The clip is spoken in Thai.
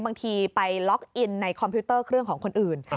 บางทีไปล็อกอินในคอมพิวเตอร์เครื่องของคนอื่น